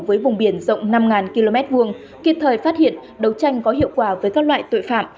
với vùng biển rộng năm km hai kịp thời phát hiện đấu tranh có hiệu quả với các loại tội phạm